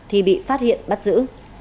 thì bị phát hiện bắt giữ